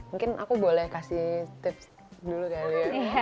mungkin aku boleh kasih tips dulu kali ya